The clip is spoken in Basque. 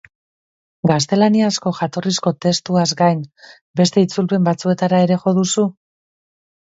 Gaztelaniazko jatorrizko testuaz gain, beste itzulpen batzuetara ere jo duzu?